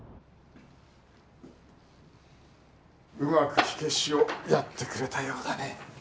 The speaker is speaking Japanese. うまく火消しをやってくれたようだね。